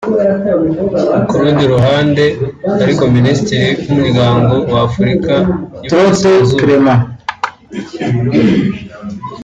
Ku rundi ruhande ariko Minisitiri w’Umuryango w’Afurika y’Iburasirazuba